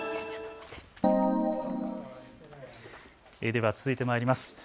では続いてまいります。